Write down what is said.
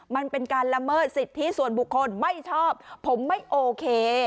มันเป็นการละเมิดสิทธิส่วนบุคคลไม่ชอบผมไม่โอเค